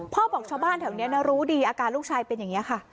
บอกชาวบ้านแถวนี้รู้ดีอาการลูกชายเป็นอย่างนี้ค่ะ